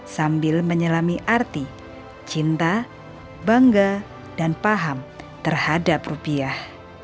sambil menyelami arti cinta bangga dan paham terhadap rupiah